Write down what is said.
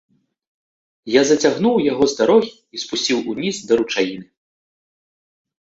Я зацягнуў яго з дарогі і спусціў уніз да ручаіны.